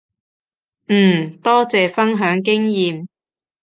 嗯，多謝分享經驗